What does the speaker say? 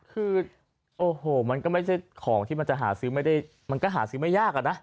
คือโอ้โหมันก็ไม่ใช่ของที่มันจะหาซื้อไม่ได้มันก็หาซื้อไม่ยากอะนะ